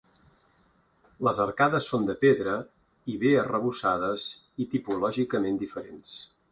Les arcades són de pedra i bé arrebossades i tipològicament diferents.